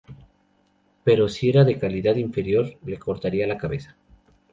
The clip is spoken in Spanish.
Pero si era de calidad inferior, le cortaría la cabeza.